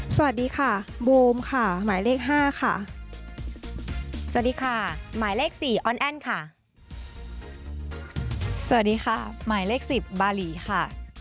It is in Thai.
สวัสดีค่ะหมายเลข๑๒นะคะพอยค่ะ